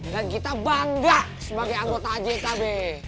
dan kita bangga sebagai anggota ajk be